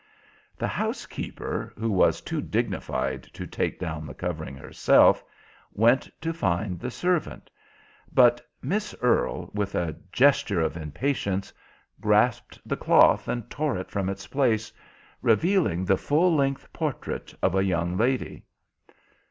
The housekeeper, who was too dignified to take down the covering herself, went to find the servant, but Miss Earle, with a gesture of impatience, grasped the cloth and tore it from its place, revealing the full length portrait of a young lady.